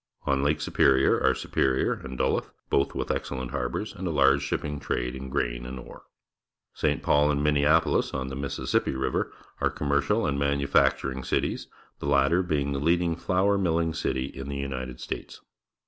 On Lake Superior are Superior and Duluth, both with excellent harbours and a large shipping trade in grain and ore. St. Paul and Minneapolis on the Mississippi River are commercial and manu facturing cities, the latter being the leading flour milling city in the United States.